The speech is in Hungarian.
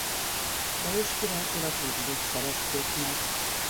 Lajos királytól a Thurzók szerezték meg.